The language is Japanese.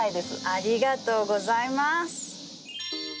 ありがとうございます。